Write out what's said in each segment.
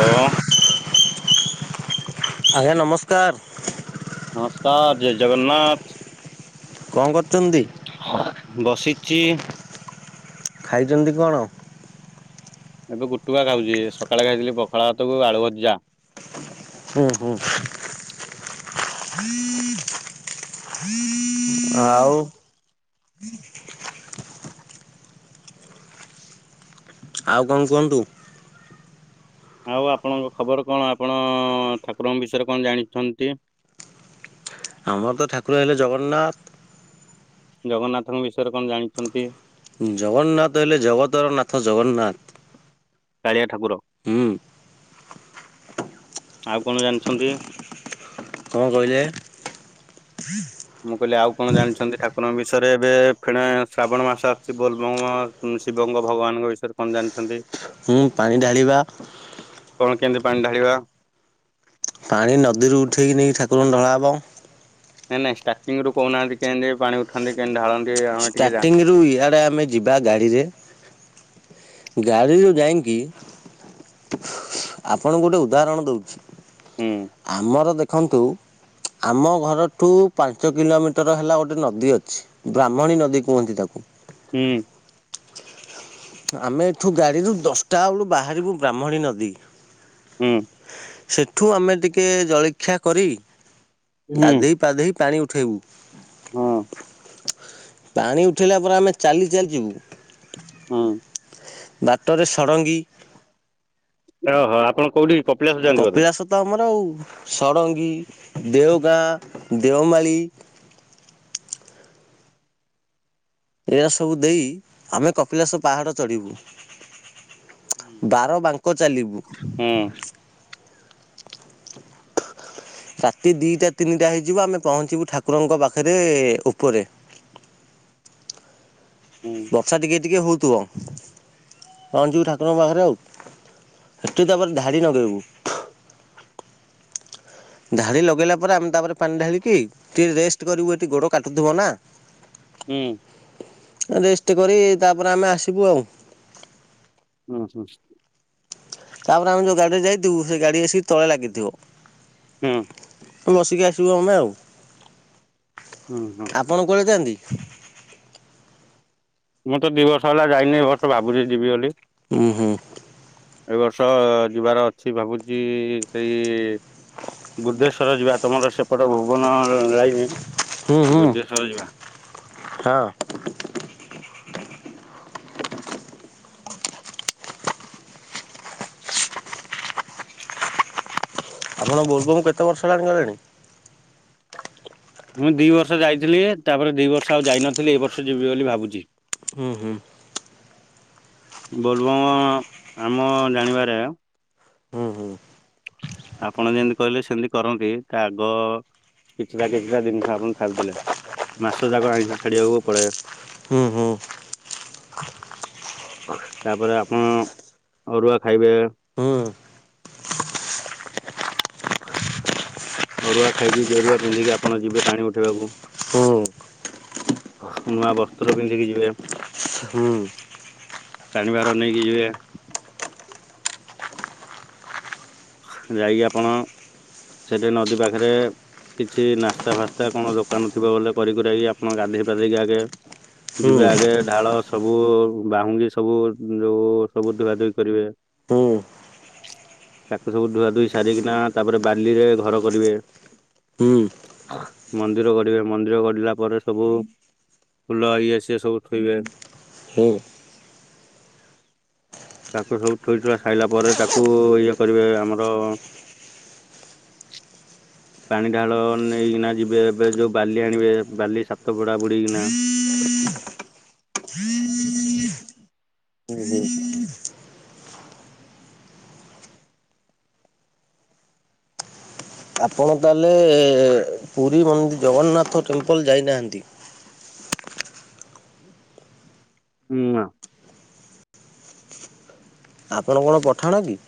ହଁ। ଆଜ୍ଞା ନମସ୍କାର। ନମସ୍କାର ଜୟ ଜଗନ୍ନାଥ। କଣ କରୁଛନ୍ତି? ବସିଛି। ଖାଇଛନ୍ତି କଣ? ଏବେ ଗୁଟୁକା ଖାଉଛି ସକାଳେ ଖାଇଥିଲି ପଖାଳ ହାତକୁ ଆଳୁ ଭଜା। ହୁଁ ହୁଁ। ଆଉ। ହୁ ଆଉ କଣ କୁହନ୍ତୁ? ଆଉ ଆପଣଙ୍କ ଖବର କଣ? ଆପଣ ଠାକୁରଙ୍କ ବିଷୟରେ କଣ ଜାଣିଛନ୍ତି? ଆମର ତ ଠାକୁର ହେଲେ ଜଗନ୍ନାଥ। ଜଗନ୍ନାଥଙ୍କ ବିଷୟରେ କଣ ଜାଣିଛନ୍ତି? ଜଗନ୍ନାଥ ହେଲେ ଜଗତର ନାଥ ଜଗନ୍ନାଥ। କାଳିଆ ଠାକୁର। ହୁଁ। ଆଉ କଣ ଜାଣିଛନ୍ତି? କଣ କହିଲେ? ମୁଁ କହିଲି ଆଉ କଣ ଜାଣିଛନ୍ତି ଠାକୁରଙ୍କ ବିଷୟରେ ଏବେ ଏଇ କ୍ଷିଣା ଶ୍ରାବଣ ମାସ ଆସୁଛି ବୋଲବ ଶିବଙ୍କ ଭଗବାନଙ୍କ ବିଷୟରେ କଣ ଜାଣିଛନ୍ତି? ମୁଁ ପାଣି ଢାଳିବା। କଣ କେମିତି ପାଣି ଢାଳିବା? ପାଣି ନଦୀରୁ ଉଠେଇକି ନେଇକି ଠାକୁରଙ୍କୁ ଢଳା ହବ। ନାଇଁ ନାଇଁ ଷ୍ଟାର୍ଟିଂ ରୁ କହୁନାହାନ୍ତି କେମତି ପାଣି ଉଠାନ୍ତି କେମିତି ଢାଳନ୍ତି? ଆମେ ଟିକେ ଜା ଷ୍ଟାର୍ଟିଂରୁ ଇଆଡ଼େ ଆମେ ଯିବା ଗାଡ଼ିରେ ଗାଡ଼ିରୁ ଯାଇଁକି ଆପଣଙ୍କୁ ଗୋଟେ ଉଦାହରଣ ଦଉଛି ହୁଁ ଆମର ଦେଖ ଦେଖନ୍ତୁ ଆମ ଘରଠୁ ପାଞ୍ଚ କିଲୋମିଟର ହେଲା ଗୋଟିଏ ନଦୀ ଅଛି। ବ୍ରାହ୍ମଣୀ ନଦୀ କୁହନ୍ତି ତାକୁ। ହୁଁ ଆମେ ଏଠୁ ଗାଡିରୁୁ ଦଶଟା ବେଳୁ ବାହାରିବୁ ବ୍ରାହ୍ମଣୀ ନଦୀକୁ। ହୁଁ। ସେଠୁ ଆମେ ଟିକେ ଜଳଖିଆ କରି ହୁଁ ଗାଧୋଇ ଗାଧେଇକି ପାଣି ଉଠାଇବୁ। ହଁ। ପାଣି ଉଠାଇଲା ପରେ ଆମେ ଚାଲି ଚାଲିଯିବୁ। ହୁଁ। [unintelligible] ବାଟରେ ଷଡଙ୍ଗୀ। ଓହୋ ଆପଣ କୋଉଠି? କପିଳାସ ଯାଆନ୍ତି ବୋଧେ? କପିଳାସ ତ ଆମର ଆଉ ଷଡଙ୍ଗୀ, ଦେଓଗାଁ, ଦେଓମାଳି ଏରା ସବୁ ଦେଇ ଆମେ କପିଳାସ ପାହାଡ ଚଢିବୁ। ବାର ବାଙ୍କ ଚାଲିବୁ। ହୁଁ। ରାତି ଦିଇଟା ତିନିଟା ହେଇଯିବ ଆମେ ପହଞ୍ଚିବୁ ଠାକୁରଙ୍କ ପାଖରେ ଉପରେ ହୁଁ ବର୍ଷା ଟିକେ ଟିକେ ହୋଉଥୁବ। ହଁ ଯୋଉ ଠାକୁରଙ୍କ ପାଖରେ ଆଉ ହେଠୁ ତାପରେ ଧାଡି ନଗେଇବୁ। ଧାଡି ଲଗେଇଲା ପରେ ଆମେ ତାପରେ ପାଣି ଢାଳିକି। ଟିକେ ରେଷ୍ଟ କରିବୁ ଏଠି ଗୋଡ କାଟୁଥିବ ନା। ହୁଁ ରେଷ୍ଟ କରି ତାପରେ ଆମେ ଆସିବୁ ଆଉ। ହୁଁ ହୁଁ। ତାପରେ ଆମେ ଯୋଉ ଗାଡିରେ ଯାଇଥିବୁ। ସେ ଗାଡି ଆସିକି ତଳେ ଲାଗିଥିବ। ହୁଁ ଆଁ ବସିକି ଆସିବୁ ଆମେ ଆଉ। ହୁଁ ହୁଁ। ଆପଣ କୁଆଡେ ଯାଆନ୍ତି? ମୁଁ ତ ଦିଇ ବର୍ଷ ହେଲା ଯାଇନି ଘଟଗାଁ ଭାବୁଚି ଯିବି ବୋଲି। ହୁଁ ହୁଁ ଏ ବର୍ଷ ଯିବାର ଅଛି ଭାବୁଚି ସେଇ ବୁଦ୍ଧେଶ୍ଵର ଯିବା ତମର ସେପଟ ଭୁବନ ଯାଇନି। ହୁଁ ହୁଁ ବୁଦ୍ଧେଶ୍ୱର ଯିବା। ହଁ। ଆପଣ ବୋଲବମ୍ କେତେ ବର୍ଷ ହେଲାଣି ଗଲେଣି? ମୁଁ ଦିଇ ବର୍ଷ ଯାଇଥିଲି ତାପରେ ଦିଇ ବର୍ଷ ଆଉ ଯାଇନଥିଲି। ଏ ବର୍ଷ ଯିବି ବୋଲି ଭାବୁଚି। ହୁଁ ହୁଁ। ବୋଲବମ୍ ଆମ ଜାଣିବାରେ ହୁଁ ହୁଁ। ଆପଣ ଯେମିତି କହିଲେ ସେମିତି କରନ୍ତି ତା ଆଗ କିଛିଟା କିଛିଟା ଜିନିଷ ଆପଣ ଛାଡିଦେଲେ। ମାସ ଯାକ ଆଇଁଷ ଛାଡିବାକୁ ପଡେ। ହୁଁ ହୁଁ। ତାପରେ ଆପଣ ଅରୁଆ ଖାଇବେ। ହଁ। [unintelligible] ଅରୁଆ ଖାଇକି ଗେରୁଆ ପିନ୍ଧିକି। ଆପଣ ଯିବେ ପାଣି ଉଠେଇବାକୁ। ହୁଁ। ନୂଆ ବସ୍ତ୍ର ପିନ୍ଧିକି ଯିବେ। ହୁଁ ପାଣିିଭାର ନେଇକି ଯିବେ। [unintelligible] ଯାଇକି ଆପଣ ସେଠି ନଦୀ ପାଖରେ କିଛି ନାସ୍ତା ଫାସ୍ତା କଣ ଦୋକାନ ଥିବ ବୋଲେ କରି କୁରାକି ଆପଣ ଗାଧେଇ ପାଧେଇକି ଆଗେ ଯିବେ ହୁଁ ଆଗେ ଢାଳ ସବୁ ବାହୁଙ୍ଗି ସବୁ ଯୋଉ ସବୁ ଧୁଆ ଧୋଇ କରିବେ। ହୁଁ। ତାକୁ ସବୁ ଧୁଆ ଧୋଇ ସାରିକିନା ତାପରେ ବାଲିରେ ଘର କରିବେ। ହୁଁ। ହଁ ମନ୍ଦିର ଗଢିବେ ମନ୍ଦିର ଗଢିଲା ପରେ ସବୁ ଫୁଲ ଇଏ ଆସିବେ ସବୁ ଥୋଇବେ ହଁ। ତାକୁ ସବୁ ଥୋଇଥାଇ ସାଇଲା ପରେ ତାକୁ ଇଏ କରିବେ ଆମର [inaudible] ପାଣି ଢାଳ ନେଇକିନା ଯିବେ ଏବେ ଯୋ ବାଲି ଆଣିବେ ବାଲି ସାତ କଡା ବୁଡେକିନା ହୁଁ। ଆପଣ ତାହେଲେ ପୁରୀ ମନ୍ଦି ଜଗନ୍ନାଥ ଟେମ୍ପଲ୍ ଯାଉନାହାଁନ୍ତି? ନାଁ। ଆପଣ କଣ ପଠାଣ କି?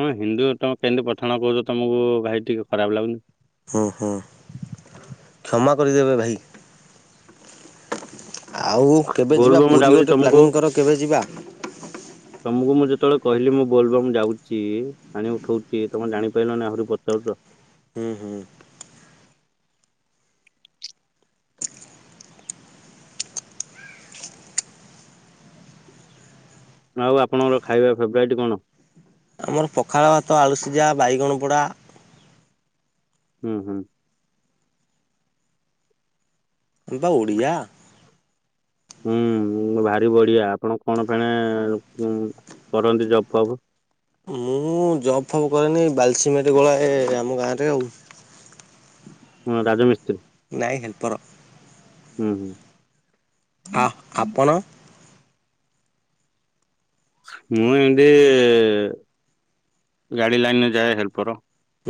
ହଁ ହିନ୍ଦୁ ତମେ କେମିତି ପଠାଣ କହୁଚ ତମକୁ ଭାଇ ଟିକେ ଖରାପ ଲାଗୁନି? ହୁଁ ହୁଁ କ୍ଷମା କରିଦେବେ ଭାଇ ଆଉ କେବେ ଯିବା ବୋଲବମ ପୁରୀ ଯାଉଛି ଗୋଟେ ତମକୁ ପ୍ଲାନିଂ କର କେବେ ଯିବା? ତମକୁ ମୁଁ ଯେତେବେଳେ କହିଲି ମୁଁ ବୋଲବମ୍ ଯାଉଚି ପାଣି ଉଠଉଚି ତମେ ଜାଣିପାରିଲନି ଆହୁରି ପଚାରୁଚ? ହୁଁ ହୁଁ। ଆଉ ଆପଣଙ୍କର ଖାଇବା ଫେବରାଇଟ୍ କଣ? ଆମର ପଖାଳ ଭାତ ଆଳୁସିଝା ବାଇଗଣପୋଡା ହୁଁ ହୁଁ। ଆମେ ବା ଓଡିଆ ହୁଁ ଭାରି ବଢିଆ ଆପଣ କଣ ଫେଣେ କରନ୍ତି ଜବ୍ ବଡ଼? ମୁଁ ଜବ୍ ଫବ୍ କରେନି ବାଲିସିମେଟ୍ ଗୋଳାଏ ଆମ ଗାଁରେ ଆଉ। ହଁ ରାଜମିସ୍ତ୍ରୀ? ନାଇଁ ହେଲ୍ପର। ହୁଁ ହୁଁ। ଆ ଆପଣ? ମୁଁ ଏମତି ଗାଡି ଲାଇନ୍ ରେ ଯାଏ ହେଲ୍ପର।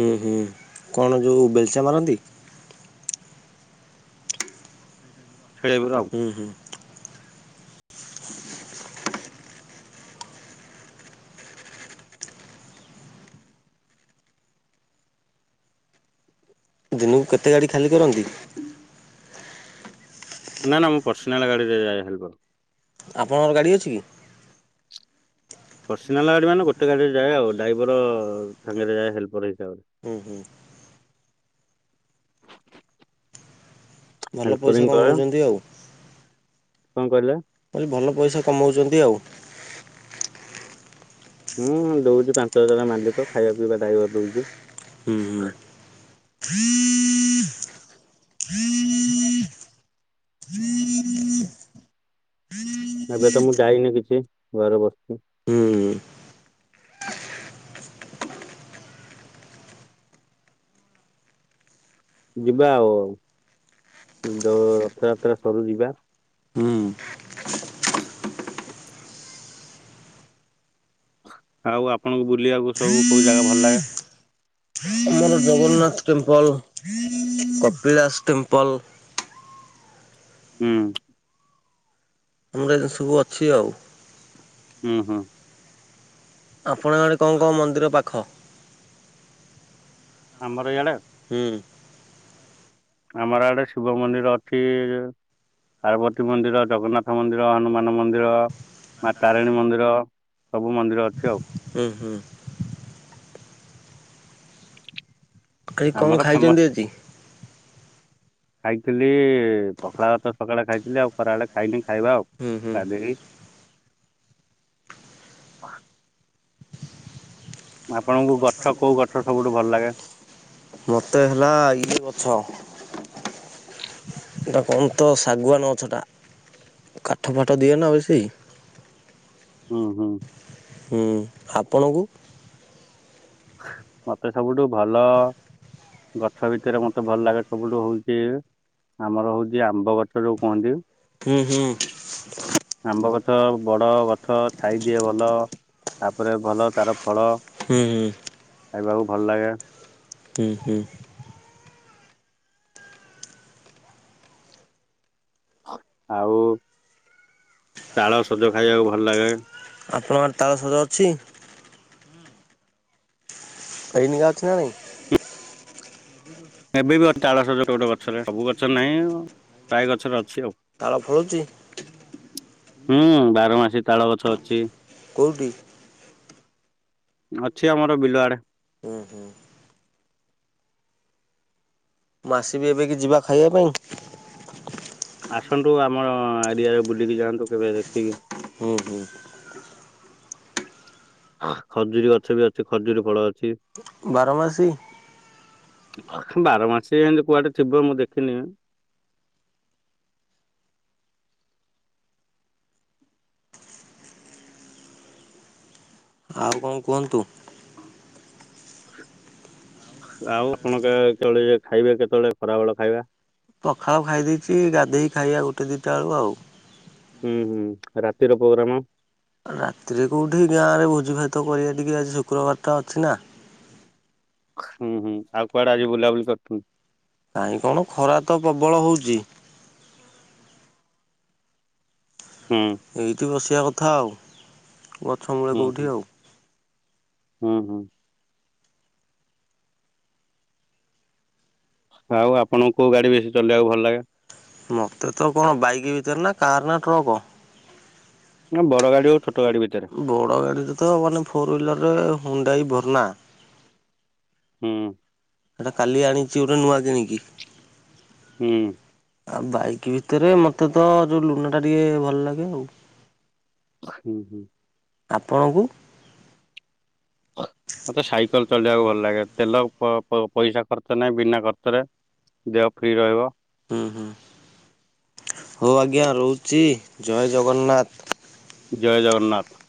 ହୁଁ ହୁଁ କଣ ଯୋଉ ବେଲଚା ମାରନ୍ତି? [inaudible] ହୁଁ ହୁଁ। ଦିନକୁ କେତେ ଗାଡି ଖାଲି କରନ୍ତି? ନା ନା ମୁଁ ପର୍ସନାଲ ଗାଡି ରେ ଯାଏ ହେଲ୍ପର। ଆପଣଙ୍କର ଗାଡି ଅଛି କି? ପର୍ସନାଲ ଗାଡି ମାନେ ଗୋଟେ ଗାଡିରେ ଯାଏ ଆଉ ଡ୍ରାଇଭର ସାଙ୍ଗରେ ଯାଏ ହେଲ୍ପର ହେଇକି ଆଉ। ଓ ହୋ। ଭଲ ପଇସା ହେଲ୍ପରିଙ୍ଗି କରେ କମଉଛନ୍ତି ଆଉ। କଣ କହିଲେ? କହିଲି ଭଲ ପଇସା କମଉଚନ୍ତି ଆଉ। ହୁଁ ଦଉଚି ପାଞ୍ଚ ହଜାର ମାଲିକ ଖାଇବା ପିଇବା ଡାଇଭର ଦଉଚି। ହୁଁ ହୁଁ। ଏବେ ତ ମୁଁ ଡାଇନି କିଛି ଘରେ ବସିଚି। ହୁଁ। ଯିବା ଆଉ ଯୋ ରଥଯାତ୍ରା ସରୁ ଯିବା। ଉଁ। ଆଉ ଆପଣଙ୍କୁ ବୁଲିବାକୁ ସବୁ କୋଉ ଜାଗା ଭଲ ଲାଗେ? [unintelligible] ନାଥ ଟେମ୍ପଲ, କପିଳାସ ଟେମ୍ପଲ ହୁଁ। ତମର ଏ ସବୁ ଅଛି ଆଉ। ହୁଁ ହୁଁ। ଆପଣ ଆଡେ କଣ କଣ ମନ୍ଦିର ପାଖ? ଆମର ଇଆଡେ? ହୁଁ। ଆମର ଆଡେ ଶିବ ମନ୍ଦିର ଅଛିଯେ ପାର୍ବତୀ ମନ୍ଦିର, ଜଗନ୍ନାଥ ମନ୍ଦିର, ହନୁମାନ ମନ୍ଦିର। ମା ତାରିଣୀ ମନ୍ଦିର ସବୁ ମନ୍ଦିର ଅଛି ଆଉ। ଉଁ ହୁଁ। ଆଜି କଣ ଆମର ଫେମସ ଖାଇଛନ୍ତି ଆଜି? ଖାଇଥିଲି ପଖାଳ ଭାତ ସକାଳେ ଖାଇଥିଲି, ଆଉ ଖରାବେଳେ ଖାଇନି ଖାଇବା ଆଉ। ହୁଁ ହୁଁ ଗାଧେଇ ଆପଣଙ୍କୁ ଗଛ କୋଉ ଗଛ ସବୁଠୁ ଭଲ ଲାଗେ? ମତେ ହେଲା ଇଏ ଗଛ ଏଟା କଣ ତ ଶାଗୁଆାନ ଗଛଟା କାଠ ଫାଠ ଦିଏ ନା ବେଶୀ? ହୁଁ ହୁଁ। ହୁଁ ଆପଣଙ୍କୁ? ମତେ ସବୁଠୁ ଭଲ ଗଛ ଭିତରେ ମତେ ଭଲ ଲାଗେ ସବୁଠୁ ହଉଚି ଆମର ହଉଛି ଆମ୍ବ ଗଛ ଯୋଉ କୁହନ୍ତି। ହୁଁ ହୁଁ। ଆମ୍ବ ଗଛ ବଡ ଗଛ ଛାଇଦିଏ ଭଲ। ତାପରେ ଭଲ ତାର ଫଳ ହୁଁ ହୁଁ। ଖାଇବାକୁ ଭଲ ଲାଗେ। ହୁଁ ହୁଁ। ଆଉ ତାଳ ସଜ ଖାଇବାକୁ ଭଲ ଲାଗେ। ଆପଣଙ୍କ ଗାଁ ରେ ତାଳସଜ ଅଛି? ଏଇ ନିିକା ଅଛି ନା ନାଇଁ? ଏବେ ବି ଅଛି ତାଳସଯ ଗୋଟେ ଗୋଟେ ଗଛରେ ସବୁ ଗଛ ନାହିଁ ପ୍ରାୟ ଗଛରେ ଅଛି ଆଉ। ତାଳ ଫଳୁଚି? ହୁଁ ବାର ମାସି ତାଳ ଗଛ ଅଛି। କୋଉଠି? ଅଛି ଆମର ବିଲଆଡେ। ଉଁହୁଁ। ମୁଁ ଆସିବି ଏବେକି ଯିବା ଖାଇବା ପାଇଁ? ଆସନ୍ତୁ ଆମର ଏରିଆରେ ବୁଲିକି ଯାଆନ୍ତୁ କେବେ ଦେଖିକି। ହୁଁ ହୁଁ। ହଁ ଖଜୁରୀ ଗଛ ବି ଅଛି ଖଜୁରୀ ଫଳ ଅଛି। ବାରମାସୀ? ବାର ମାସି ଏମତି କୁଆଡେ ଥିବ ମୁଁ ଦେଖିନି। ଆଉ କଣ କୁହନ୍ତୁ? ଆଉ ଆପଣ କେ କେତବେଳେ ଖାଇବେ କେତେବେଳେ ଖରାବେଳ ଖାଇବା? ପଖାଳ ଖାଇ ଦେଇଛି ଗାଧେଇ ଖାଇବା ଗୋଟେ ଦୁଇଟା ବେଳ ଆଉ। ଉଁ ହୁଁ ରାତିର ପୋଗ୍ରାମ? ରାତିରେ କୋଉଠି ଗାଁରେ ଭୋଜି ଭାତ କରିବା ଟିକେ ଆଜି ଶୁକ୍ରବାରଟା ଅଛି ନା। ହୁଁ ହୁଁ ଆଉ କୁଆଡ଼େ ଆଜି ବୁଲାବୁଲି କରଥୁ? କାଇଁ କଣ ଖରା ତ ପ୍ରବଳ ହଉଚି। ହୁଁ। ଏଇଠି ବସିବା କଥା ଆଉ ଗଛ ମୂଳେ କୋଉଠି ଆଉ। ଉଁ ହୁଁ। ଆଉ ଆପଣଙ୍କୁ କୋଉ ଗାଡ଼ି ବେଶୀ ଚଲେଇବାକୁ ଭଲ ଲାଗେ? ମତେ ତ କଣ ବାଇକ୍ ଭିତରେ ନା କାର୍ ନା ଟ୍ରକ୍? ନାଁ ବଡ଼ ଗାଡି ହୋଉ ଆଉ ଛୋଟ ଗାଡ଼ି ଭିତ ବଡ଼ ଗାଡ଼ିରେ ତ ମାନେ ଫୋର୍ ହୁଇଲରରେ ହୋଣ୍ଡାଇ ଭରନା। ହୁଁ। ହେଟା କାଲି ଆଣିଚି ଗୋଟେ ନୂଆ କିଣିକି। ହୁଁ। ଆଉ ବାଇକ୍ ଭିତରେ ମୋତ ତ ଯୋଉ ଲୁନାଟା ଟିକେ ଭଲ ଲାଗେ ଆଉ। ହୁଁ ହୁଁ। ଆପଣଙ୍କୁ? ମତେ ସାଇକଲ ଚଳେଇବାକୁ ଭଲ ଲାଗେ ତେଲ ପ ପ ପଇସା ଖର୍ଚ୍ଚ ନାହିଁ ବିନା ଖର୍ଚ୍ଚରେ ଦେହ ଫ୍ରି ରହିବ। ଉଁ ହୁଁ ହୋଉ ଆଜ୍ଞା ରହୁଚି ଜୟ ଜଗନ୍ନାଥ। ଜୟ ଜଗନ୍ନାଥ।